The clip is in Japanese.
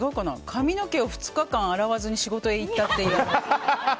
髪の毛を２日間洗わず仕事へ行ったという。